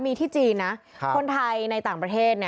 มีที่จีนนะคนไทยในต่างประเทศ